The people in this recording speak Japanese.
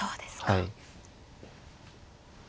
はい。